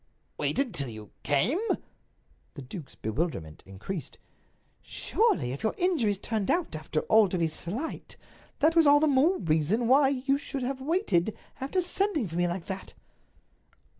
"Wait until you came?" The duke's bewilderment increased. "Surely, if your injuries turned out, after all, to be slight, that was all the more reason why you should have waited, after sending for me like that."